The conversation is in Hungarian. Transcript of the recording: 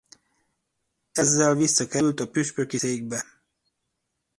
Ezzel visszakerült a püspöki székbe.